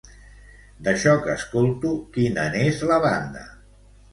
D'això que escolto, quina n'és la banda?